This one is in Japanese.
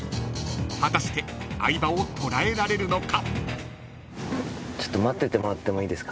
［果たして相葉を捕らえられるのか？］